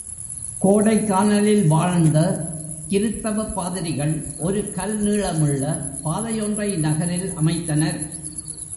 கோடைக் கானலில் வாழ்ந்த கிருத்தவப் பாதிரிகள் ஒரு கல் நீளமுள்ள பாதையொன்றை நகரில் அமைத்தனர்.